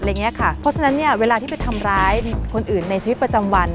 เพราะฉะนั้นเวลาที่ไปทำร้ายคนอื่นในชีวิตประจำวัน